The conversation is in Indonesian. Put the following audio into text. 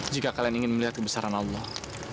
jika kalian ingin melihat kebesaran allah